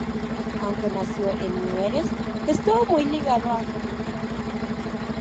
Aunque nació en Mieres, estuvo muy ligado a Colunga.